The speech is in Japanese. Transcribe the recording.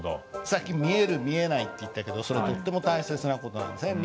さっき「見える」「見えない」って言ったけどそれとっても大切な事なんですね。